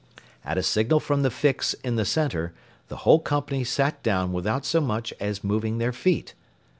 At a signal from the Fix in the center, the whole company sat down without so much as moving their feet.